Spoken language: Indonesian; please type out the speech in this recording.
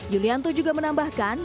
yulianto juga menambahkan